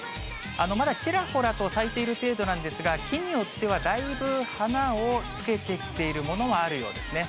まだちらほらと咲いている程度なんですが、木によってはだいぶ、花をつけてきているものもあるようですね。